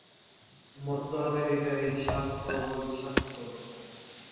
মধ্য আমেরিকার এই সাপ প্রবল বিষাক্ত।